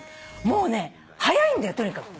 もうね速いんだよとにかく。